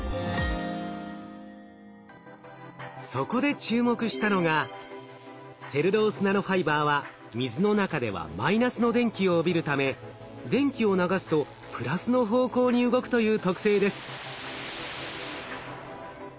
そこで注目したのがセルロースナノファイバーは水の中ではマイナスの電気を帯びるため電気を流すとプラスの方向に動くという特性です。